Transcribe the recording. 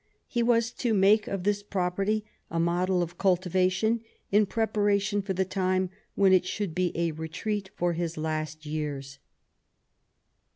He was to make of this property a model of cultivation, in preparation for the time when it should be a retreat for his last years.